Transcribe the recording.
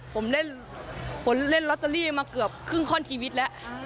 ผมเล่นผมเล่นลอตเตอรี่มาเกือบครึ่งข้อนชีวิตแล้ว